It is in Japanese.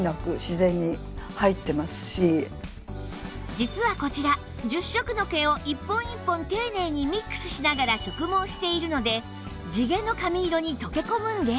実はこちら１０色の毛を一本一本丁寧にミックスしながら植毛しているので地毛の髪色に溶け込むんです